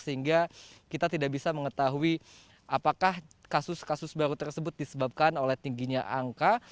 sehingga kita tidak bisa mengetahui apakah kasus kasus baru tersebut disebabkan oleh tingginya angka